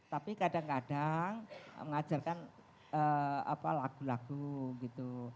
tapi kadang kadang mengajarkan lagu lagu gitu